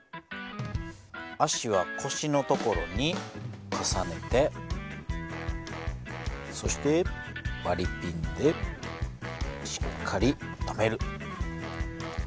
脚は腰の所に重ねてそしてわりピンでしっかり留める。